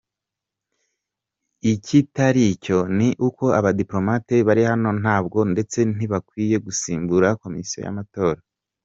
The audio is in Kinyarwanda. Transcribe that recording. Ikitari cyo ni uko abadipolomate bari hano ntabwo ndetse ntibakwiye gusimbura Komisiyo y’Amatora.